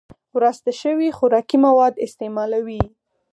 وراسته شوي خوراکي مواد استعمالوي